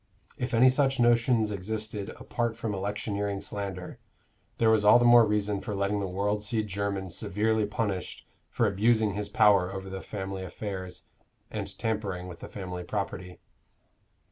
If any such notions existed apart from electioneering slander, there was all the more reason for letting the world see Jermyn severely punished for abusing his power over the family affairs, and tampering with the family property.